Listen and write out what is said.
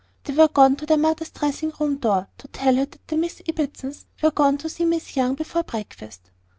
They were gone to their mother's dressing room door, to tell her that the Miss Ibbotsons were gone to see Miss Young before breakfast.